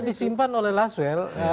disimpan oleh laswel